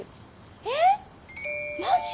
「えっマジ？